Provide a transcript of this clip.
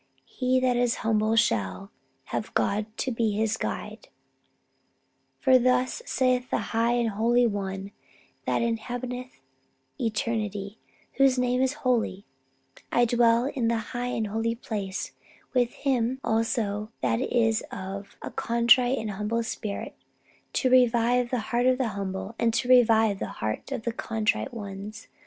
He that is humble ever shall Have God to be his guide. For thus saith the high and holy One that inhabiteth eternity, whose name is Holy: I dwell in the high and holy place, with him also that is of a contrite and humble spirit, to revive the heart of the humble, and to revive the heart of the contrite ones